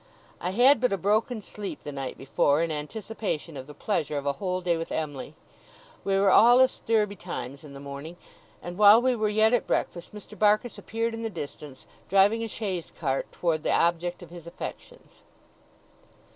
I had but a broken sleep the night before, in anticipation of the pleasure of a whole day with Em'ly. We were all astir betimes in the morning; and while we were yet at breakfast, Mr. Barkis appeared in the distance, driving a chaise cart towards the object of his affections.